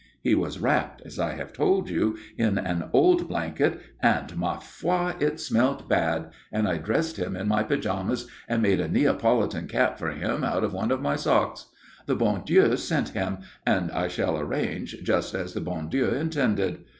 He was wrapped, as I have told you, in an old blanket and ma foi it smelt bad and I dressed him in my pyjamas and made a Neapolitan cap for him out of one of my socks. The bon Dieu sent him, and I shall arrange just as the bon Dieu intended.